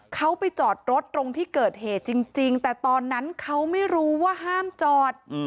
เขาไปจอดรถตรงที่เกิดเหตุจริงแต่ตอนนั้นเขาไม่รู้ว่าห้ามจอด